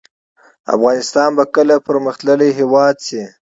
افغانستان به کله پرمختللی هیواد شي؟